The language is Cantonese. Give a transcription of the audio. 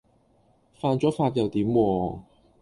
犯咗法又點喎